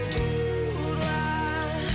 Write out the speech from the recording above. tidurlah selama malam